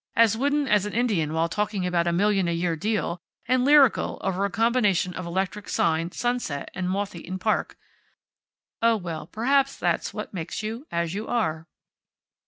"As wooden as an Indian while talking about a million a year deal, and lyrical over a combination of electric sign, sunset, and moth eaten park. Oh, well, perhaps that's what makes you as you are."